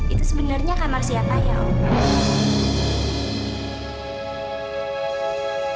itu sebenernya kamar siapa ya om